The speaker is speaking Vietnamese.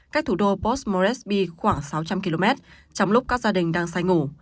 cách thủ đô post moresby khoảng sáu trăm linh km trong lúc các gia đình đang say ngủ